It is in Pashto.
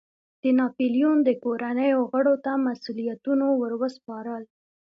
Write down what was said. د ناپلیون د کورنیو غړو ته مسوولیتونو ور سپارل.